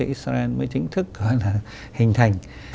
israel mới chính thức hình thành